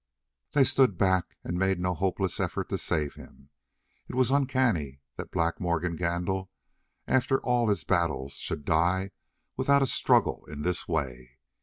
They stood back and made no hopeless effort to save him. It was uncanny that Black Morgan Gandil, after all of his battles, should die without a struggle in this way.